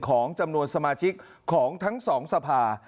ของจำนวนสมาชิกของทั้งสองสภา